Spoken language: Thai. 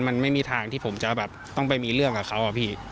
มันไม่มีทางที่ผมจะต้องไปมีเรื่องกับเขา